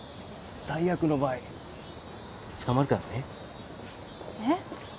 最悪の場合捕まるからねえっ？